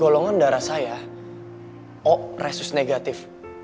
golongan darah saya oh resus negatif